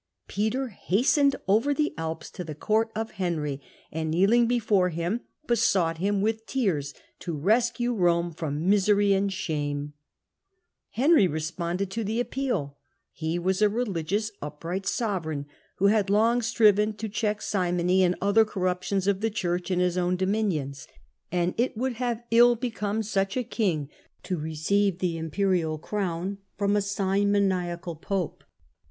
^ Peter hastened over the Alps to the court of Henry, and, kneeling before him, besought him with tears to rescue Bome from misery and shame. Henry responded to the appeal ; he was a religious, upright sovereign, Appeal to ^^^^^^ ^^^S striven to check simony and ^^^^ other corruptions of the Church in his own ^^^ dominions ; and it would have ill become such a king to receive the imperial crown from a simoniacai Digitized by VjOOQIC l6 HiLDRBRAND pope.